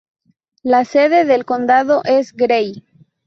La sede del condado es Gray.